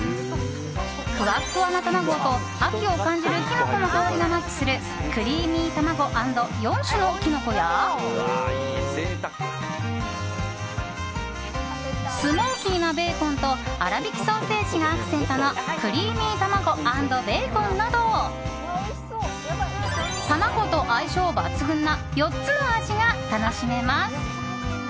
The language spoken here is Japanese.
ふわふわな卵と、秋を感じるキノコの香りがマッチするクリーミーたまご＆４種のきのこやスモーキーなベーコンと粗びきソーセージがアクセントのクリーミーたまご＆ベーコンなど卵と相性抜群な４つの味が楽しめます。